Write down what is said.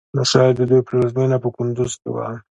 نو شايد د دوی پلازمېنه په کندوز کې وه